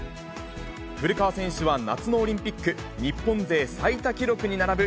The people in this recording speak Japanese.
古川選手は夏のオリンピック日本勢最多記録に並ぶ